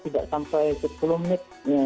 tidak sampai sepuluh menit